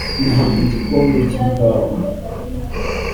mpa igikombe cy'ikawa